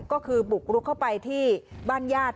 ก็คือบุกรุกเข้าไปที่บ้านญาติ